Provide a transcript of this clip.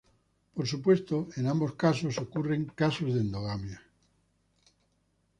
Por supuesto, en ambos casos ocurren casos de endogamia.